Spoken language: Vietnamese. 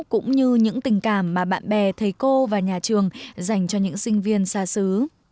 cũng như những tình cảm mà bạn bè thầy cô và nhà trường dành cho những sinh viên xa xứ